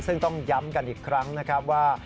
ซึ่งต้องย้ำกันอีกครั้งนะครับว่า